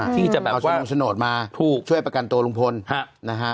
ที่จะแบบว่าเอาโฉนดมาถูกช่วยประกันตัวลุงพลนะฮะ